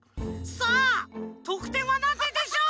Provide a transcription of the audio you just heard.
さあとくてんはなんてんでしょう？